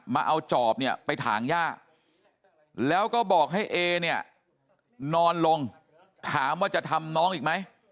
มาเอาจอบเนี่ยไปถางย่าแล้วก็บอกให้เอเนี่ยนอนลงถามว่าจะทำน้องอีกไหม